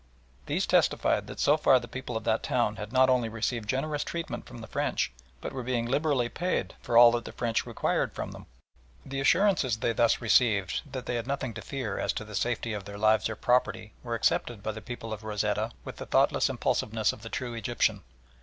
These testified that so far the people of that town had not only received generous treatment from the French, but were being liberally paid for all that the French required from them. The assurances they thus received that they had nothing to fear as to the safety of their lives or property were accepted by the people of Rosetta with the thoughtless impulsiveness of the true Egyptian.